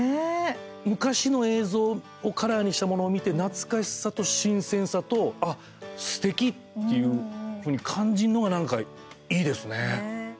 昔の映像をカラーにしたものを見て懐かしさと新鮮さとあ、すてきっていうふうに感じるのが、なんかいいですね。